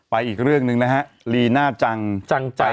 อีกเรื่องหนึ่งนะฮะลีน่าจังจัง